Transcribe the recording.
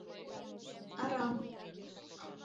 «Арам.